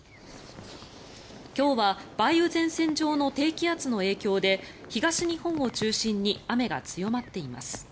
今日は梅雨前線上の低気圧の影響で東日本を中心に雨が強まっています。